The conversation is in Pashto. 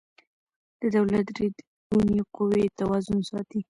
د دولت درې ګونې قوې توازن ساتي